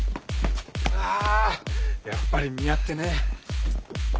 あやっぱり見合ってねえ。